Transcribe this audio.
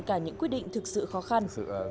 cả những quyết định thực sự khó khăn